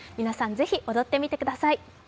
皆さん、ぜひ踊ってみてください。